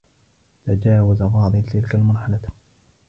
تجاوز فاضل تلك المرحلة.